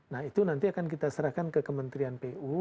nah itu nanti akan kita serahkan ke kementerian pu